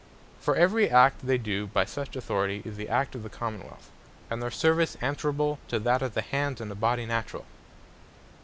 For every act they doe by such Authority, is the act of the Common wealth; and their service, answerable to that of the Hands, in a Bodie naturall.